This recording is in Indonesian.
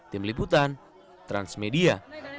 tim liputan transmedia